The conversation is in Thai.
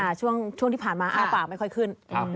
ช่วงที่ผ่านมาอ้าวปากไม่ค่อยขึ้น